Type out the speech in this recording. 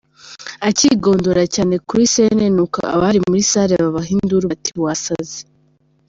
» akigondora cyane kuri sene, n’uko abari muri salle babaha induru bati wasaze !